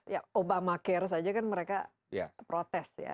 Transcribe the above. ya obamacare saja kan mereka protes ya